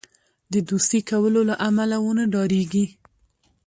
د دوستی کولو له امله ونه ډاریږي.